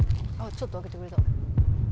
ちょっと開けてくれた。